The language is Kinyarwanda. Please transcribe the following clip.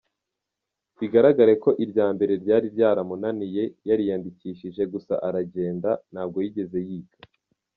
Bigaragare ko irya mbere ryari ryaramunaniye, yariyandikishije gusa aragenda, ntabwo yigeze yiga.